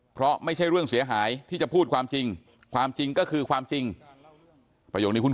เพราะไม่ใช่เรื่องเสียหายที่จะพูดความจริงความจริงก็คือความจริงประโยคนี้คุณ